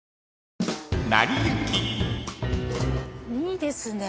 いいですね